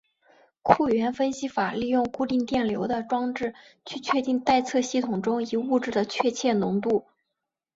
库伦分析法利用固定电流的装置去确定待测系统中一物质的确切浓度。